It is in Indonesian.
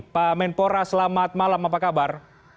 pak menpora selamat malam apa kabar